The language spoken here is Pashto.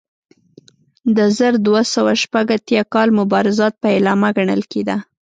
د زر دوه سوه شپږ اتیا کال مبارزات پیلامه ګڼل کېده.